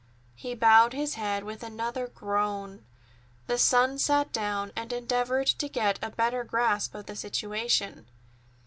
He bowed his head with another groan. The son sat down and endeavored to get a better grasp of the situation.